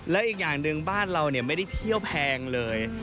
แล้วอีกอย่างหนึ่งบ้านเราไม่ได้เที่ยวแพงเลย